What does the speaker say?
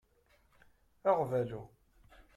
Aɣbalu.